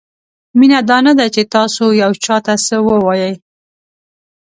مینه دا نه ده چې تاسو یو چاته څه ووایئ.